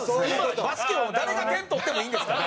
バスケは誰が点取ってもいいんですから。